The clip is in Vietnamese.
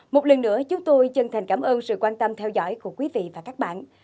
một lần nữa chúng tôi chân thành cảm ơn sự quan tâm theo dõi của quý vị và các bạn